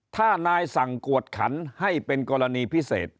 ถ้านายสั่งกวดขันให้เป็นกรณีพิเศษ